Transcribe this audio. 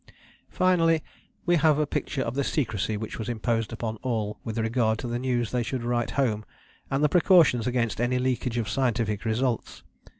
Finally, we have a picture of the secrecy which was imposed upon all with regard to the news they should write home and the precautions against any leakage of scientific results.